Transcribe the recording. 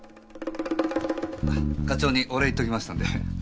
課長にお礼言っておきました。